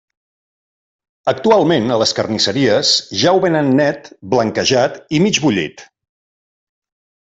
Actualment a les carnisseries ja ho venen net, blanquejat i mig bullit.